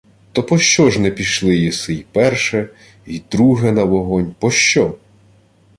— То пощо ж не пішли єси й перше, й друге на вогонь? Пощо?